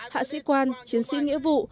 hạ sĩ quan chiến sĩ nghĩa vụ